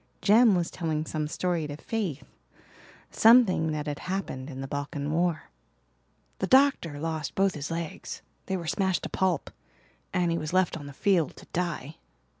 Jem was telling some story to Faith something that had happened in the Balkan War. "The doctor lost both his legs they were smashed to pulp and he was left on the field to die.